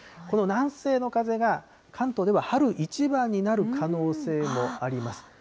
この南西の風が関東では春一番になる可能性もあります。